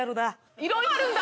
いろいろあるんだ。